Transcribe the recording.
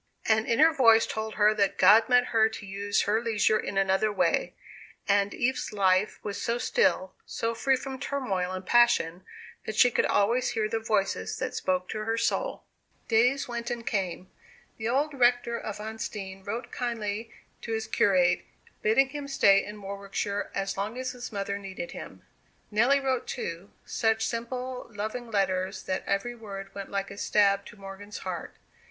An inner voice told her that God meant her to use her leisure in another way; and Eve's life was so still, so free from turmoil and passion, that she could always hear the voices that spoke to her soul. Days went and came. The old rector of Huntsdean wrote kindly to his curate, bidding him stay in Warwickshire as long as his mother needed him. Nelly wrote too; such simple loving letters that every word went like a stab to Morgan's heart.